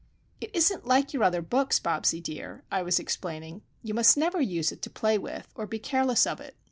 "It isn't like your other books, Bobsie dear," I was explaining. "You must never use it to play with, or be careless of it.